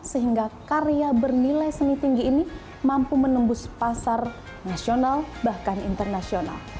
sehingga karya bernilai seni tinggi ini mampu menembus pasar nasional bahkan internasional